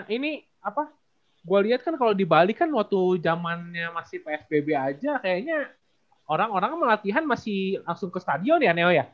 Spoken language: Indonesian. ini apa gue liat kan kalo di bali kan waktu zamannya masih pfbb aja kayaknya orang orangnya melatihan masih langsung ke stadion ya neo ya